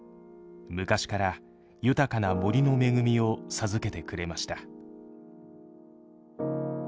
昔から豊かな森の恵みを授けてくれました。